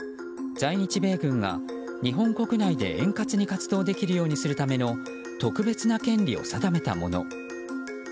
在日米軍が日本国内で、円滑に活動できるようにするための特別な権利を定めたもの。